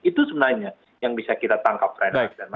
itu sebenarnya yang bisa kita tangkap